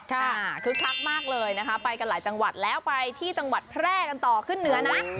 คึกคักมากเลยนะคะไปกันหลายจังหวัดแล้วไปที่จังหวัดแพร่กันต่อขึ้นเหนือนะ